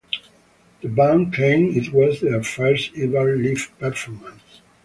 The band claimed it was their first ever live performance.